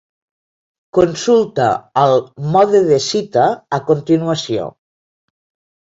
Consulta el "Mode de cita" a continuació.